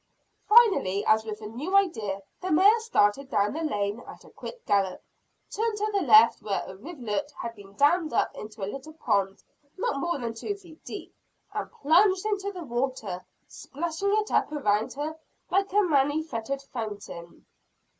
Finally, as with a new idea, the mare started down the lane at a quick gallop, turned to the left, where a rivulet had been damned up into a little pond not more than two feet deep, and plunged into the water, splashing it up around her like a many jetted fountain.